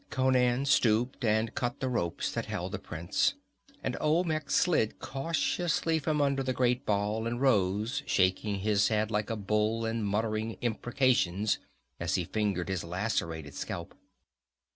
Conan stooped and cut the ropes that held the prince, and Olmec slid cautiously from under the great ball and rose, shaking his head like a bull and muttering imprecations as he fingered his lacerated scalp.